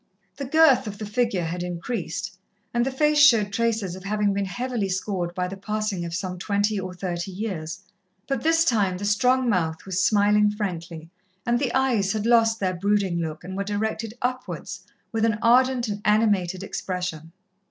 The girth of the figure had increased, and the face showed traces of having been heavily scored by the passing of some twenty or thirty years, but this time the strong mouth was smiling frankly, and the eyes had lost their brooding look and were directed upwards with an ardent and animated expression.